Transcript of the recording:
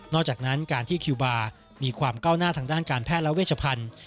อกจากนั้นการที่คิวบาร์มีความก้าวหน้าทางด้านการแพทย์และเวชพันธุ์